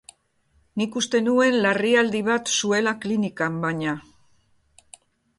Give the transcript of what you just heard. Nik uste nuen larrialdi bat zuela klinikan, baina.